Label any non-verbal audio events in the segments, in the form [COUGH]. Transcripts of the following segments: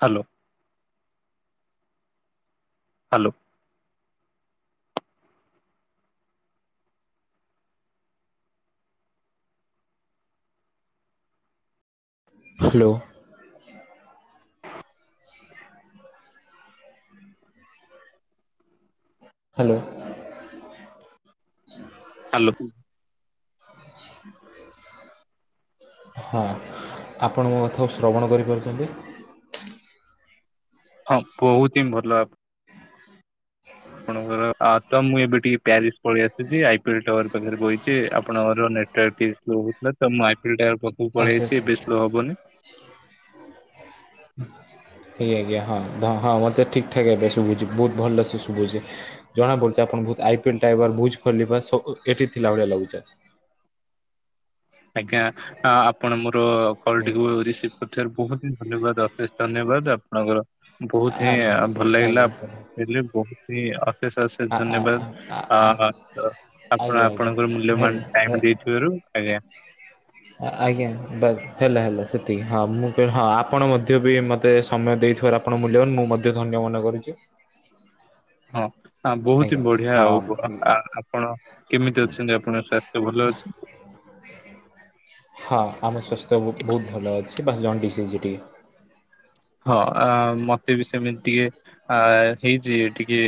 Hello. Hello. Hello. Hello. Hello. ହଁ ଆପଣ ମଧ୍ୟ ଶ୍ରବଣ କରିପାରୁଛନ୍ତି? ହଁ ବହୁତି ହିଁ ଭଲ। ଆପଣଙ୍କର ଆ ତ ମୁଁ ଏବେ ଟିକେ ପ୍ୟାରିସ ପଳେଇ ଆସସିଛି ଆଇ ପିଏଲ ଟାୱାର ପାଖରେ ଵଇଛି ଆପଣଙ୍କର ନେତୁଆର୍କ ଇଶୁ ହଉଥିଲା ତ ମୁଁ ଆଇପିଟାଉର ପାଖକୁ ଆଜ୍ଞା ପଳେଇଆଇଛି ଏବେ ସ୍ଲୋହେବ ହବନି। ହ ଆଜ୍ଞା ଆଜ୍ଞା ହଁ ହଁ ହଁ ମୋତେ ଠିକ୍ ଠାକ୍ ଏବେ ଶୁଭୁଚି ବହୁତ ଭଲସେ ଶୁଭୁଚି ଜଣାପଡୁଛି ଆ ବହୁ ଆଇପିଲ ଟା ବୁ ଖ ଏଠି ଥିଲା ଭଳିଆ ଲାଗୁଚ। ଆଜ୍ଞା ଆ ଆପଣ ମୋର ହୁଁ କଲଟିକୁ ରିସିଭ କରଥିବ ବହୁତ ଧନ୍ୟବାଦ ଅଶେଷ ଧନ୍ୟବାଦ ଆପଣଙ୍କର ବହୁତ ଆ ହିଁ ଭଲ ଲାଗିଲା ଆଜ୍ଞା ଆପଣ ହେଲେ ବହୁତ ଇ ଅଶେଷ ଅଶେଷ ଆ ଆ ଆ ଧନ୍ୟବାଦ ଆ ତ ଆଜ୍ଞା ଆପଣ ଆଜ୍ଞା ଆପଣଙ୍କର ହେଲା ମୂଲ୍ୟବାନ ଟାଇମ ଦେଇଥିବାରୁ ଆଜ୍ଞା। ଆ-ଆଜ୍ଞା ବ ହେଲା ହେଲା ସେତିକି ହଁ ମୁଁ କହିଲି ହଁ ଆପଣ ମଧ୍ୟ ବି ମତେ ସମୟ ଦେଇ ଥିବାରୁ ଆପଣଙ୍କ ମୂଲ୍ୟବାନ ମୁଁ ମଧ୍ୟ ଧନ୍ୟ ମନେ କରୁଛି। ହ ହଁ ବହୁତ ଆଜ୍ଞା ହି ବଢିଆ ଆଉ ବ ହଁ ଆ-ଆପଣ କେମିତି ଅଛନ୍ତି ଆପଣଙ୍କ ସ୍ୱାସ୍ଥ୍ୟ ଭଲ ଅଛି? ହଁ ଆମ ସ୍ୱାସ୍ଥ୍ୟ ବହୁତ୍ ବହୁତ ଭଲ ଅଛି ବାସ ଜଣ୍ଡିସ ହେଇଚି ଟିକେ। ହଁ ଆ ମତେ ବି ସେମିତି ଟିକେ ଆ ହେଇଛି ଟିକେ।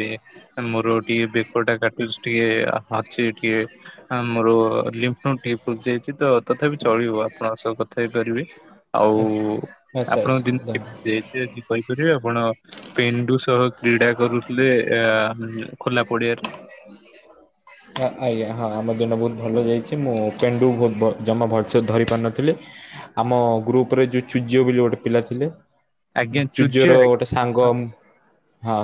ମୋର ଟିକେ ବେକ ଟା କାଟୁଛି ଟିକେ ଅଛି ଟିକେ ଆଁ ମୋର ଲିମ୍ପ ତଣ୍ଟି ଫୁଲିଯାଇଛି ତ ତଥାପି ଚଳିବ ଆପଣଙ୍କ ସହ କଥା ହେଇପାରିବି। ଆଉ ଆଚ୍ଛା ଆପଣଙ୍କ ଦି ଆଚ୍ଛା କେମିତି ଯାଇଚି ଆଜି କହିପାରିବେ ଆପଣ ପେଣ୍ଡୁ ସହ କ୍ରୀଡ଼ା କରୁଥିଲେ ଆ ଖୋଲା ପଡିଆରେ। ଆ-ଆଜ୍ଞା ହଁ ଆଉ ମୋ ଦିନ ଟା ବହୁତ ଭଲ ଯାଇଛି ମୁଁ ପେଣ୍ଡୁ କୁ ବହୁତ୍ ଭ ଜମା ଭଲ ସେ ଧରି ପାରୁନଥିଲି। ଆମ ଗ୍ରୁପରେ ଯୋଉ ଚୂର୍ଯ୍ୟ ବୋଲି ଗୋଟେ ପିଲା ଥିଲେ। ଆଜ୍ଞା ଚୂର୍ଯ୍ୟର ଚୁଜ ଗୋଟେ ସାଙ୍ଗ ମ ହଁ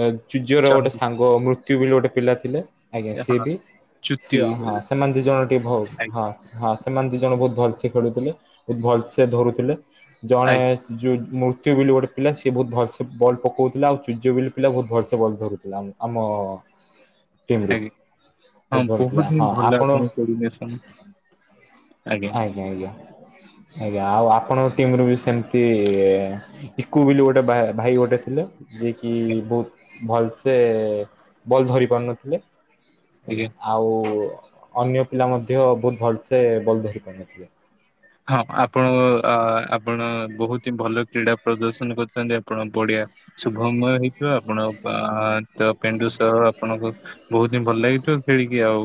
ଏ ଚୂର୍ଯ୍ୟର ଆଜ୍ଞା ହଁ ଗୋଟେ ସାଙ୍ଗ ମୃତ୍ୟୁ ବୋଲି ଗୋଟେ ପିଲା ଥିଲେ। ଆଜ୍ଞା ସିଏ ବି ସିଏ ଚୁ ହଁ ସେମାନେ ଦି ଜଣ ଟିକେ ଭ ଆଜ୍ଞା ହଁ ହଁ ସେମାନେ ଦି ଜଣ ବହୁତ ଭ ଲସେ ଖେଳୁଥିଲେ ଏ ଭଲସେ ଧରୁଥିଲେ ଜଣେ ଆଜ୍ଞା ସ ଯଉ ମୋ ତି ବୋଲି ଗୋଟେ ପିଲା ସିଏ ବହୁତ ଭଲସେ ବଲ ପକଉଥିଲା ଆଉ ଚୂର୍ଯ୍ୟ ବୋଲି ପିଲା ବହୁତ ଭଲସେ ବଲ୍ ଧରୁଥିଲା ଆମ ଆମ। ଟିମ୍ ହ ରୁ ଆଜ୍ଞା ହଁ ଭଲ ଥିଲା ବହୁତ ହିଁ ହଁ ଭଲ ଆପଣ ଆପଣଙ୍କ କୋଡ଼ିନେସନ। ଆଜ୍ଞା ଆଜ୍ଞା। ଆଜ୍ଞା ଆଉ ଆପଣଙ୍କ ଟିମ ରୁ ବି ସେମିତି ଇକୁ ବୋଲି ଗୋଟେ ଭା-ଭାଇ ଗୋଟେ ଥିଲେ। ଯିଏ କିି ଆଜ୍ଞା ବହୁତ ଭଲସେ ବଲ ଧରି ପାରୁନଥିଲେ। ହେଲା ଆଜ୍ଞା ଆଉ ଅନ୍ୟ ପିଲା ମଧ୍ୟ ବହୁତ ଭଲସେ ବଲ ଧରି ପାରୁନଥିଲେ। ହଁ ଆପଣ ଉ ଅ ଆପଣ। ବହୁତ ହିଁ ଭଲ କ୍ରୀଡ଼ା ପ୍ରଦର୍ଶନ କରିଥାନ୍ତି ଆପଣ ପଡିଆ ଶୁଭମୟ ହେଇଥିବ ଆପଣ ପା ତ ପେଣ୍ଡୁ ସହ ଆପଣଙ୍କୁ ବହୁତ ହିଁ ଭଲ ଲାଗିଥିବ ଖେଳିକି ଆଉ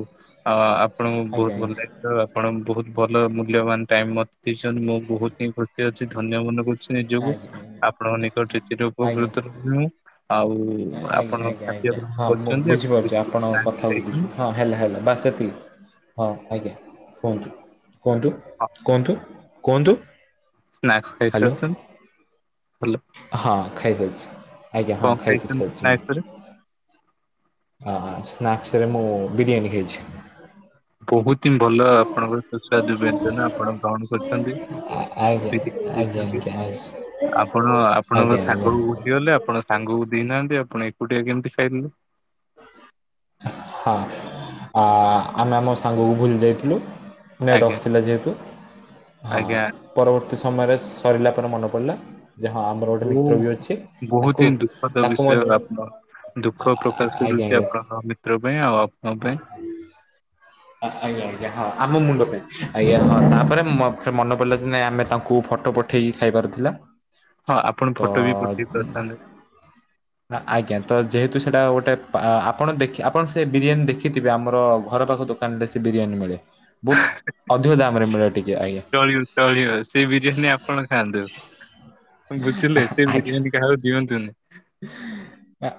ଆପ ଆପଣଙ୍କୁ ଆଜ୍ଞା ବହୁତ ହି ଭଲ ଲାଗିିଥିବ ଆପଣ ବହୁତ ଭଲ ମୂଲ୍ୟବାନ ଟାଇମ ମତେ ଦେଇଛନ୍ତି ମୁଁ ବହୁତ ହିଁ ଖୁ ଟିକେ ଅଛି ଧନ୍ୟ ମନେ କରୁଛି ଆଜ୍ଞା ନିଜକୁ ଆଜ୍ଞା ଆପଣଙ୍କ ନିକଟରେ ଚିର ଆଜ୍ଞା ଉପକୃତ ରହିବି ମୁଁ। ଆଉ। ଆଜ୍ଞା ଆପଣ ଆଜ୍ଞା ଖାଦ୍ୟ ଆଜ୍ଞା ଗ୍ରହଣ ହଁ ମୁଁ କରିଛନ୍ତି ଆପଣ ବୁଝିପାରୁଛି କିଛି ଆପଣଙ୍କ ସ୍ନାକ୍ସ କଥାକୁ ଖାଇଛନ୍ତି ବୁଝି ହଁ ହେଲା ହେଲା ବାସ ସେତିକି। ହଁ ଆଜ୍ଞା କୁହନ୍ତୁ କୁହନ୍ତୁ କୁହନ୍ତୁ କୁହନ୍ତୁ। ସ୍ନାକ୍ସ ଖାଇ ହ୍ୟାଲୋ ସାରିଛନ୍ତି ଭଲ। ହଁ ଖାଇ ସାରିଛି ଆଜ୍ଞା ହଁ କଣ ଖାଇ ପିଇ ଖାଇଛନ୍ତି ସାରିଛି ସ୍ନାକ୍ସ ରେ ମୁଁ। ଆ ସ୍ନାକ୍ସରେ ମୁଁ ବିରିୟାନୀ ଖାଇଛି। ବହୁତ ଭଲ ଆପଣଙ୍କର ସୁସ୍ୱାଦୁ ବ୍ୟଞ୍ଜନ ଆପଣ ଗ୍ରହଣ କରିଛନ୍ତି ଆ- ଆଜ୍ଞା ବିରିୟାନି ଆଜ୍ଞା ଖାଇଛନ୍ତି। ଆଜ୍ଞା ଆଜ୍ଞା ଆପଣ ଆପଣଙ୍କ ଆଜ୍ଞା ଆଜ୍ଞା ସାଙ୍ଗକୁ ଭୁଲିଗଲେ ଆପଣଙ୍କ ସାଙ୍ଗକୁ ଦେଇନାହାନ୍ତି ଆ ଆପଣ ଏକୁଟିଆ କେମିତି ଖାଇଦେଲେ? ହଁ ଆ ଆମେ ଆମ ସାଙ୍ଗକୁ ଭୁଲି ଯାଇଥିଲୁ। ନେଟ୍ ଆଜ୍ଞା ଅଫ୍ ଥିଲା ଯେହେତୁ ହଁ ଆଜ୍ଞା ପରବର୍ତ୍ତୀ ସମୟରେ ସରିଲା ପରେ ମନେ ପଡ଼ିଲା। ଯେ ହଁ ଆମର ଗୋଟେ ଓ ମିତ୍ର ବି ଅଛି ତାକୁ ବହୁତ ହିଁ ଦୁଖଦ ତାକୁ ବିଷୟ ମଧ୍ୟ ଆପଣ ଦୁଖ ପ୍ରକାଶ ଆଜ୍ଞା ଆଜ୍ଞା କରୁଛି ଆପଣ ମିତ୍ର ପାଇଁ ଆଉ ଆପଣ ଙ୍କ ପାଇଁ। ଆଜ୍ଞା ଯାହା ଆମ ମୁଣ୍ଡ ପାଇଁ ଆଜ୍ଞା ହଁ ତାପରେ ମତେ ମନ ପଡିଲା ଯେ ନାଇ ଆମେ ତାକୁ ଫଟୋ ପ ପଠେଇକି ଖାଇବାର ଥିଲା। ହଁ ଆପଣ ତ ଫଟୋ ବି ପଠେଇ ଉଁ ପାରିଥାନ୍ତେ। ଆ-ଆଜ୍ଞା ତ ଯେହେତୁ ସେଟା ଗୋ ଗୋଟେ ଆ-ଆପଣ ଦେଖି ଆପଣ ସେ ବିରିୟାନୀ ଦେଖିଥିବେ ଆମର ଘର ପାଖ ଦୋକାନରେ ସେ ବିରିୟାନୀ ମିଳେ। ବହୁତ ଅଧିକ ଦାମ ଚଳିବ ଚଳିବ ସେଇ ବିରିୟାନୀ ଆପଣ ଖାଆନ୍ତୁ। ବୁଝିଲେ ସେ ଆଜ୍ଞା। ବିରିୟାନୀ କାହାକୁ ଦିଅନ୍ତୁନି।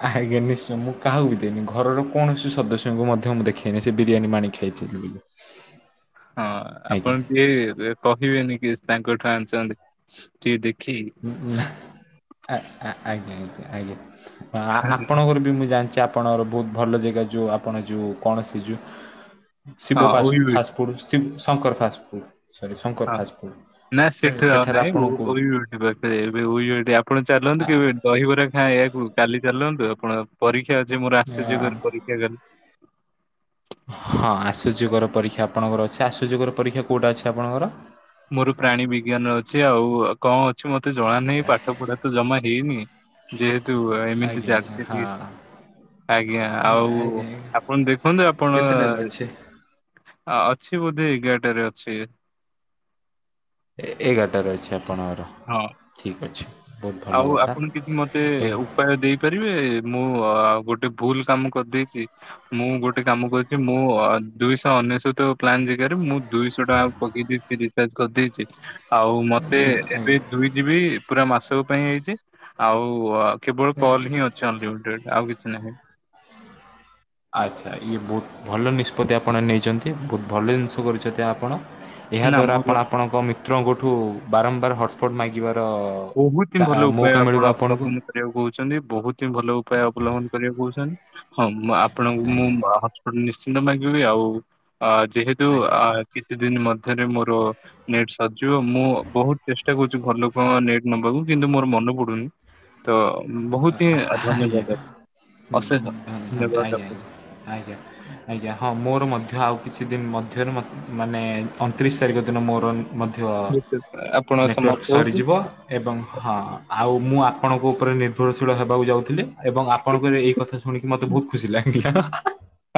ଆଜ୍ଞା ନିଶ୍ଚୟ ମୁଁ କାହାକୁ ବି ଦେବିନି ଘରର କୌଣସି ସଦସ୍ୟଙ୍କୁ ମଧ୍ୟ ମୁଁ ଦେଖେଇନି ସେ ବିରିୟାନୀ ମୁଁ ଆଣି ଖାଇଛି। ହଁ ଆପଣ ଟିଏ କହିବେନି କି ତାଙ୍କଠୁ ଆଣିଛନ୍ତି କିଏ ଦେଖ ନା ଠିକ୍। ଆଜ୍ଞା ଆଜ୍ଞା ଆଜ୍ଞା ଆପଣଙ୍କର ବି ମୁଁ ଜାଣି ଆପଣଙ୍କର ବହୁତ୍ ଭଲ ଜାଗା ଯୋଉ ଆପଣ ଯୋଉ କୌଣସି ଯୋଉ ହଁ ଶିବ ପାସ ଓୟୁଏଟି ଫାଷ୍ଟଫୁଡ ଶି ଶଙ୍କର ଫାଷ୍ଟ ଫୁଡ୍। ହଁ ନା ସେଠି ଆଉ ସେଠାରେ ନାହିଁ ଆପଣଙ୍କୁ [UNINTELLIGIBLE] ଏବେ [UNINTELLIGIBLE] ଆପଣ ଆ ଚାଲନ୍ତୁ କେବେ ଦହିବରା ଖାଇବାକୁ କାଲି ଚାଲନ୍ତୁ ଆପଣ ପରୀ କି ଆଜି ମୋର ଆ ଆସିଯିବ ପରୀକ୍ଷା ଗାର। ହଁ ଆଶ୍ଚର୍ଯ୍ୟକର ପରୀକ୍ଷା ଆପଣଙ୍କର ଅଛି ଆସୁଯୋଗର ପରୀକ୍ଷା କଉଟା ଅଛି ଆପଣଙ୍କର? ମୋର ପ୍ରାଣୀ ବିଜ୍ଞାନ ଅଛି ଆଉ କଣ ଅଛି ମତେ ଜଣା ନାହିଁ ପାଠପଢ଼ା ତ ଜମା ହେଇନି। ଯେହେତୁ ଏମିତି ଆଜ୍ଞା ଆଜ୍ଞା ହଁ ଚାଲିଛି। ଆଜ୍ଞା ଆଜ୍ଞା ଆଉ ଆଜ୍ଞା ଆପଣ ଦେଖନ୍ତୁ ଆପଣ କେତେଟାରେ ଅଛି? ଅଛି ବୋଧି ଏଗାରାଟାରେ ଅଛି। ଏଗାରଟାରେ ଅଛି ଆପଣଙ୍କର ହଁ। ଠିକ୍ ଅଛି। ବହୁତ ଭଲ ଆଉ କଥା। ଆପଣ ଯଦି ମତେ ଏ ଉପାୟ ଦେଇପାରିବେ ମୁଁ ଗୋଟେ ଭୁଲ୍ କାମ କରିଦେଇଛି ମୁଁ ଗୋଟେ କାମ କରୁଛି ମୁଁ ଦୁଇଶହ ଅନେଶତ ପ୍ଲାନ୍ ବେକାରେ ମୁଁ ଦୁଇଶହ ଟଙ୍କା ପକେଇଦେଇଛି ରିଚାର୍ଜ କରିଦେଇଚି। ଆଉ ମତେ ଏବେ ଆଜ୍ଞା। ଦୁଇ ଯିବି ପୁରା ମାସକ ପାଇଁ ହେଇଛି ଆଉ କେବଳ କଲ୍ ହିଁ ଅଛନ୍ତି ଅନଲିମିଟେଡ୍ ଆଉ କିଛି ନାହିଁ। ଆଚ୍ଛା ଇଏ ବହୁତ ଭଲ ନିଷ୍ପତ୍ତି ଆପଣ ନେଇଛନ୍ତି ବହୁତ୍ ଭଲ ଜିନିଷ କରିଛନ୍ତି ଆପଣ। ଏହା ନା ଦ୍ୱାରା ମୋର ଆପଣ ଆପଣଙ୍କ ମିତ୍ରଙ୍କଠୁ ବାରମ୍ବାର ହଟସ୍ପଟ୍ ମାଗିବା ବହୁତି ହିଁ ଭଲ ଉପାୟ ଆପଣ ଆପଣଙ୍କୁ ଅବଲମ୍ବନ କରିବାକୁ କହୁଛନ୍ତି ବହୁତି ହିଁ ଭଲ ଉପାୟ ଅବଲମ୍ବନ କରିବାକୁ କହୁଛନ୍ତି। ହଁ ମୁଁ ଆପଣଙ୍କୁ ମୁଁ ଆଜ୍ଞା ହଟସ୍ପଟ୍ ନିଶ୍ଚିନ୍ତ ମାଗିବି ଆଉ ଆ ଯେହେତୁ ଆଜ୍ଞା। ଆ କିଛିଦିନ ମ ମଧ୍ୟରେ ମୋର ନେଟ୍ ସରିଯିବ ମୁଁ ବହୁତ୍ ଚେଷ୍ଟା କରୁଛି ଘର ଲୋକ ନେଟ୍ ନବାକୁ କିନ୍ତୁ ମୋର ମନେ ପଡୁନି ତ ବହୁତ ହିଁ ଆ ହା ହା ଆଜ୍ଞା। ଧନ୍ୟବାଦ ହୁଁ ଅଶେଷ [UNINTELLIGIBLE] ଆଜ୍ଞା ଧନ୍ୟବାଦ ଆଜ୍ଞା ଆପଣ। ଆଜ୍ଞା ଆଜ୍ଞା ହଁ ମୋର ମଧ୍ୟ ଆଉ। କିଛି ଦିନ ମଧ୍ୟରେ ମ ମାନେ ଅନ୍ତିରିଶି ତାରିଖ ଦିନ ମୋର ମଧ୍ୟ ଆପଣ ନେଟ୍‌ୱର୍କ ସମାପ୍ତ ହଉଛି। ସରିଯିବ ଏବଂ ହଁ ଆଉ ମୁଁ ଆ ଆପଣଙ୍କୁ ଉପରେ ନି ନିର୍ଭରଶୀଳ ହେବାକୁ ଯାଉଥିଲି ଏବଂ ଆପଣଙ୍କର ଏଇ କଥା ଶୁଣିକି ମତେ ବହୁତ୍ ଖୁସି ଲାଗିଲା ହା ହା।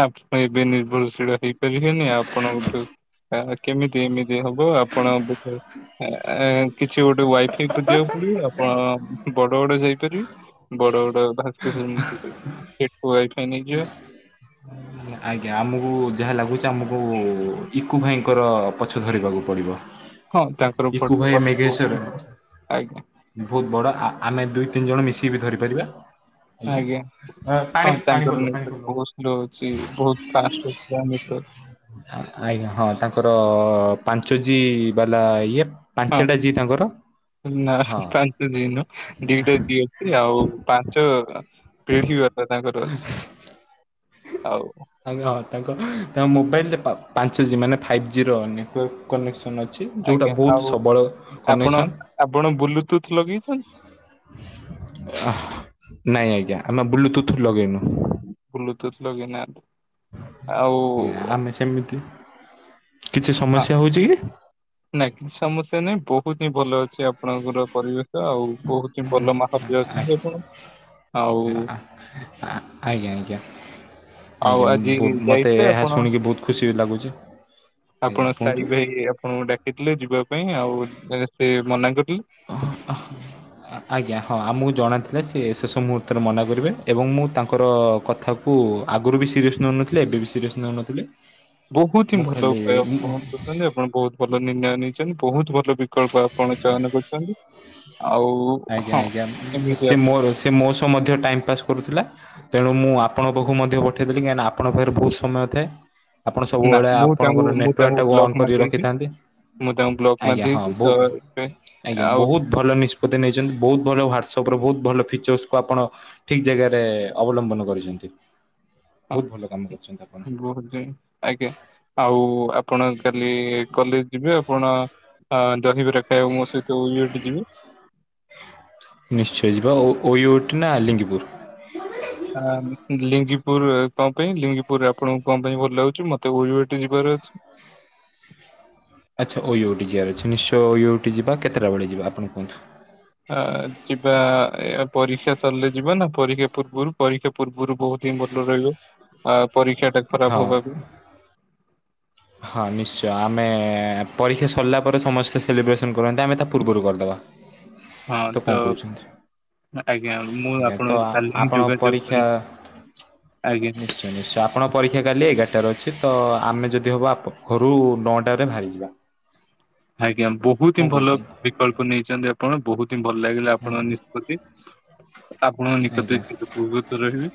ଆପେ ଏବେ ନିର୍ଭରଶୀଳ ହେଇପାରିବେନି ଆପଣ ଗୋଟେ କେମିତି ଏମିତି ହବ ଆପଣ ବ ଆ ଆ କିଛି ଗୋଟେ ୱାଇଫାଇ ଖୋଜିବାକୁ ପଡ଼ିବ ଆପଣ ଅ ବଡ଼ ବଡ଼ ଯାଇ ବଡ଼ ବଡ଼ ଭାସ୍କେଶର ସେଠୁ ୱାଇଫାଇ ନେଇଯିବା। [INAUDIBLE] ଆଜ୍ଞା ଆମକୁ ଯାହା ଲାଗୁଛି ଆମକୁ ଇକୁ ଭାଇଙ୍କର ପଛ ଧରିବାକୁ ପଡ଼ିବ। ହଁ ତାଙ୍କର ଇକୁ ଭୋଟ ଭାଇ ପଛ ବହୁତ ମେଘେଶ୍ୱର ହିଁ ବଡ ଆଜ୍ଞା ବହୁତ୍ ବଡ଼ ଆ ଆମେ ଦୁଇ ତିନି ଜଣ ମିଶି ଟିଭି ଧରିପାରିବା ଆଜ୍ଞା ପା ପାଣି ପାଣି ଏଠିକାର ପଡ଼ିଲ ପାଣି ପଡ଼ିଲ। ନେଟୱାର୍କ ବହୁ ସ୍ଲୋ ଅଛି ବହୁତ ଫାର୍ଷ୍ଟ ଏଠିକାର ନେଟୱାର୍କ ହା ହା ଆଜ୍ଞା ହଁ ତାଙ୍କର ପାଞ୍ଚ ଜି ବାଲା ଇଏ। ହଁ ପାଞ୍ଚଟା ଜି ତାଙ୍କର। ନା ହଁ ପାଞ୍ଚ ଜି ନୁହଁ ଦିଇଟା ଜି ଅଛି ଆଉ ପାଞ୍ଚ ପିଢ଼ି ବାପା ତାଙ୍କର ଅଛି। ଆଉ ଆଜ୍ଞା ହଁ ତାଙ୍କ ତା ମୋବାଇଲରେ ପା ପାଞ୍ଚ ଜି ମାନେ ଫାଇଭ୍ ଜି ର ନେଟୱର୍କ କନେକ୍ସ ଅନ ଅଛି। ଯୋଉଟା ଆଜ୍ଞା ବହୁତ ଆଉ ସବଳ ଆପଣ କନେକ୍ସନ। ଆପଣ ବ୍ଲୁଟୁଥ୍ ଲଗେଇଛନ୍ତି? ଆହ, ନାଇଁ ଆଜ୍ଞା ଆମେ ବୁଲୁଟୁଥ୍ ଲଗେଇନୁ। ବୁଲୁଟୁଥ୍ ଲଗେ ନା। ନା ଆମେ ସେମିତି କିଛି ଆ ସମସ୍ୟା ହଉଛି କି? ନାଇଁ କି ସମସ୍ୟା ନାହିଁ ବୋ ବହୁତି ହିଁ ଭଲ ଅଛି ଆପଣଙ୍କର ପରିବେଶ ଆଉ ବହୁତି ହିଁ ଭଲ ମହାପିୟ ଅଛନ୍ତି ଆପଣ। ଆଉ ଆ ଆ ଆଜ୍ଞା ଆଜ୍ଞା। ଆଉ ଆଜ୍ଞା ମୁଁ ଆଜି ବହୁତ ମୋତେ ଯାଇଥିଲେ ଏହା ଆପଣ ଶୁଣିକି ବହୁତ ଖୁସି ବି ଲାଗୁଛି। ଆଜ୍ଞା ଆପଣ କୁହନ୍ତୁ। ସାଇ ଭାଇ ଆପଣଙ୍କୁ ଡାକିଥିଲେ ଯିବା ପାଇଁ ଆଉ ଏ ସେ ମନା କରିଲେ। ଅହ ଅହ, ଅ ଆଜ୍ଞା ହଁ ଆମକୁ ଜଣା ଥିଲା ସେ ଶେଷ ମୁହୂର୍ତ୍ତରେ ମନା କରିବେ ଏବଂ ମୁଁ ତାଙ୍କର କଥାକୁ ଆଗରୁ ବି ସିରିଅସ୍ ନଉନଥିଲେ ଏ ଏବେ ବି ସିରିୟସ୍ ନଉନଥିଲେ। ବହୁତ ହିଁ ଭଲ ଉପାୟ ଆପଣ କରୁଛନ୍ତି। ଆପଣ ବହୁତ ଭଲ ନିର୍ଣ୍ଣୟ ନେଇଛନ୍ତି। ବହୁତ ଭଲ ବିକଳ୍ପ ଆପଣ ଆପଣ ଚୟନ କରୁଛନ୍ତି। ଆଜ୍ଞ ଆଜ୍ଞା। ଏମିତି ସେ ଆପଣ ମୋର ସେ ମୋ ସହ ମଧ୍ୟ ଟାଇମ ପାସ୍ କରୁଥିଲା ତେଣୁ ମୁଁ ଆପଣଙ୍କ ପାଖକୁ ମଧ୍ୟ ପଠେଇଦେଲି କାହିଁକିନା ଆପଣଙ୍କ ପାଖରେ ବହୁତ ସମୟ ଥାଏ। ଆପଣ ନା ସବୁବେଳେ ମୁଁ ତାଙ୍କୁ ଆପଣଙ୍କର ମୁଁ ନେଟୱାର୍କ ତାଙ୍କୁ ଟାକୁ ବ୍ଲକ ଅନ୍ କରି ମାରିଦେଇଛି ରଖିଥାନ୍ତି। ମୁଁ ତାଙ୍କୁ ବ୍ଲକ୍ ଆଜ୍ଞା ହଁ ମାରିଦେଇଛି ବହୁ ତ ଏବେ ଆଜ୍ଞା ଆଉ ବହୁତ ଭଲ ନିଷ୍ପ ତି ନେଇଛନ୍ତି। ବହୁତ ଭଲ ହ୍ଵାଟ୍ସଆପ ର ବହୁତ ଭଲ ଫିଚର୍ସକୁ ଆପଣ ଠିକ ଜାଗାରେ ଅବଲମ୍ବନ କରିଛନ୍ତି। ବହୁତ ଭଲ କାମ କରୁଛନ୍ତି ଆ [UNINTELLIGIBLE] ଆଜ୍ଞା। ଆଉ ଆପଣ କାଲି କଲେଜ ଯିବେ। ଆପଣ ଆ ଦହିବରା ଖାଇବାକୁ ମୋ ସହିତ ଇଏ ବାଟୁ ଯିବେ। ଓୟୁଠ ନା ଆଲିଙ୍ଗପୁର୍। ଆଲିଙ୍ଗିପୁର କଣ ପାଇଁ? ଲିଙ୍ଗିପୁରରେ ଆପଣଙ୍କୁ କଣ ପାଇଁ ଭଲ ଲାଗୁଛି? ମତେ ଓୟୁଇଟି ଯିବାର ଅଛି। ଆଚ୍ଛା ଓୟଓଟି ଯିବାର ଅଛି ନିଶ୍ଚୟ ଓଓଟି ଯିବା କେତେଟା ବେଳେ ଯିବା ଆପଣ କୁହନ୍ତୁ ହଁ ଯିବା। ଏ ପରୀକ୍ଷା ସରିଲେ ଯିବା ନା ପରୀକ୍ଷା ପୂର୍ବରୁ। ପରୀକ୍ଷା ପୂର୍ବରୁ ବହୁତ ହିଁ ଭଲ ରହିବ। ଆ ପରୀକ୍ଷା ଟା ଖରାପ ହଁ ହବା ବି। ହଁ ନିଶ୍ଚୟ ଆମେ ପରୀକ୍ଷା ସରିଲା ପରେ ସମସ୍ତେ ସେଲିବ୍ରେସନ କରନ୍ତି। ଆମେ ତା ପୂର୍ବରୁ କରିଦେବା। ତ କଣ କହୁଛନ୍ତି? ଆଜ୍ଞା ମୁଁ ତ ଆପଣଙ୍କୁ ଆ କାଲି ହିଁ ଆପଣ ଯୋଗାଯୋଗ ପରୀକ୍ଷା କରିବି ଆଜ୍ଞା। ନିଶ୍ଚୟ ନିଶ୍ଚୟ ଆପଣ ପରୀକ୍ଷା କାଲି ଏଗାର ଟା ରେ ଅଛି ତ, ଆମେ ଯଦି ହବ ଆପ ଘରୁ ନଅଟାରେ ବାହାରିଯିବା। ଆଜ୍ଞା ବହୁତ କଣ ହିଁ ଭଲ କହୁଛନ୍ତି ବିକଳ୍ପ ନେଇଛନ୍ତି ଆପଣ, ବହୁତ ହିଁ ଭଲ ଲାଗିଲା ଆପଣଙ୍କ ନିଷ୍ପତ୍ତି। ଆପଣଙ୍କ ନିକଟରେ ଚିର ଉପକୃତ ରହିବି।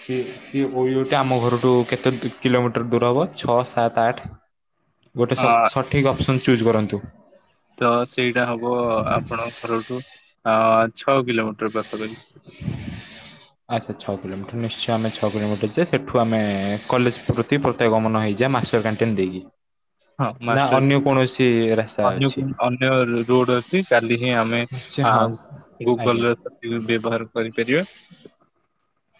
ସେ ସେ ଏଟା ଆମ ଘରଠୁ କେତେ କି କିଲୋମିଟର ଦୂର ହବ ଛଅ, ସାତ, ଆଠ ଗୋଟେ ଅ ସ ସଠିକ୍ ଅପସନ୍ ଚୁଜ୍ କରନ୍ତୁ। ତ ସେଇଟା ହବ ଆପଣଙ୍କ ଘରଠୁ ଅଁ ଛଅ କିଲୋମିଟର ପାଖାପାଖି। ଆଚ୍ଛା, ଛଅ କିଲୋମିଟର ନିଶ୍ଚୟ ଆମେ ଛ କିଲୋମିଟର ଯେ ସେଠୁ ଆମେ କଲେଜ ପ୍ରତି ପ୍ରତୟା ଗମନ ହେଇ ଯେ ମାଷ୍ଟର କଣ୍ଟେଣ୍ଟ ଦେଇକି। ହଁ ନା ମାଷ୍ଟର ଅନ୍ୟ [UNINTELLIGIBLE] କୌଣସି ରାସ୍ତା ଅନ୍ୟ ଅଛି କୁ ଅନ୍ୟ ରୋଡ ଅଛି କାଲି ହିଁ ଆ ଆମେ ନିଶ୍ଚୟ ଆ ହଁ ଆଜ୍ଞା ଗୁଗଲ ବ୍ୟବହାର କରିପାରିବା।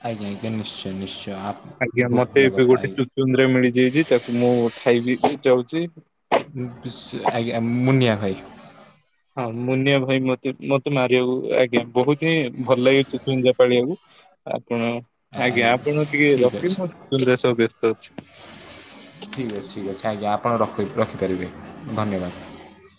ଆଜ୍ଞା ଆଜ୍ଞା ନିଶ୍ଚୟ ନିଶ୍ଚୟ। ଆପ ଆଜ୍ଞା ବହୁତ ମତେ ଭଲ ଏବେ କଥା ଗୋଟେ ଆଜ୍ଞା ଚୁଚୁନ୍ଦ୍ରା ମିଳିଯାଇଚି ତାକୁ ମୁଁ ଖାଇବି ଯାଉଚି। ସ ଆଜ୍ଞା ମୁନିଆଁ ଭାଇ। ହଁ ମୁନିଆ ଭାଇ ମତେ ମତେ ମାରିବାକୁ ଆଜ୍ଞା ବହୁତ ହିଁ ଭଲ ଲାଗେଚୁଚୁନ୍ଦ୍ରା ପାଳିବାକୁ। ଆପଣ ଆଜ୍ଞା ଆପଣ ଟିକେ ଠିକ୍ ଅଛି ରଖିବେ ମୁଁ ସ୍କୁଲରେ ରେ ସ ବ୍ୟସ୍ତ ଅଛି। ଠିକ୍ ଅଛି ଠିକ୍ ଅଛି ଆଜ୍ଞା ଆପଣ ରଖିପାରିବେ ଧନ୍ୟବାଦ।